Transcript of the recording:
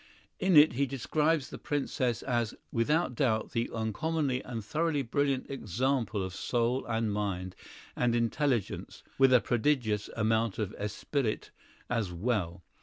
In it he describes the Princess as "without doubt an uncommonly and thoroughly brilliant example of soul and mind and intelligence (with a prodigious amount of esprit as well).